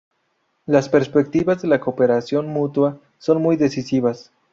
Las perspectivas de la cooperación mutua son muy decisivas.